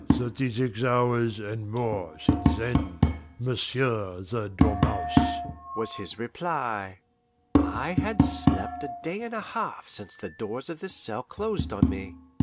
"Thirty six hours and more since then, m'sieu' the dormouse," was his reply. I had slept a day and a half since the doors of this cell closed on me.